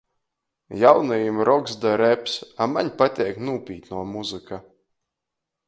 Jaunajim roks da reps, a maņ pateik nūpītnuo muzyka.